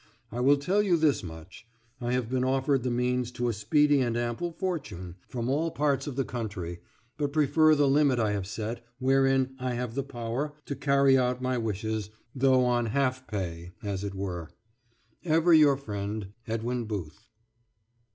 I will tell you this much: I have been offered the means to a speedy and an ample fortune, from all parts of the country, but prefer the limit I have set, wherein I have the power to carry out my wishes, though "on half pay," as it were.... Ever your friend, EDWIN BOOTH.